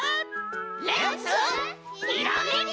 レッツひらめき！